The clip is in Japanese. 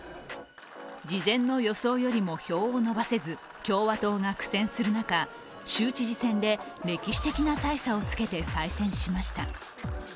事前の予想よりも票を伸ばせず共和党が苦戦する中州知事選で歴史的な大差をつけて再選しました。